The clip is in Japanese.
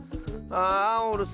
あおるす